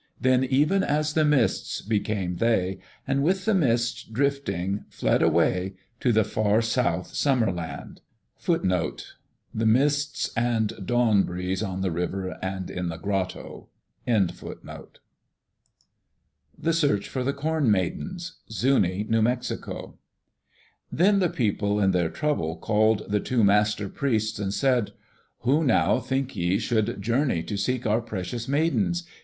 Then even as the mists became they, and with the mists drifting, fled away, to the far south Summer land. (6) The mists and the dawn breeze on the river and in the grotto. The Search for the Corn Maidens Zuni (New Mexico) Then the people in their trouble called the two Master Priests and said: "Who, now, think ye, should journey to seek our precious Maidens?